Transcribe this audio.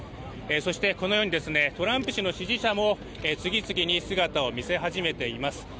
そして、このようにトランプ氏の支持者も次々に姿を見せ始めています。